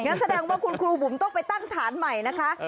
แสดงว่าคุณครูบุ๋มต้องไปตั้งฐานใหม่นะคะ